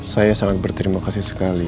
saya sangat berterimakasih sekali